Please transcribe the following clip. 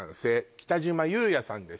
北島裕也さんです